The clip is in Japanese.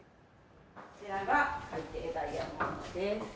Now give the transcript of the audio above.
こちらが海底ダイヤモンドです。